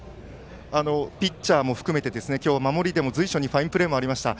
ピッチャーも含めて守りでも随所にファインプレーもありました。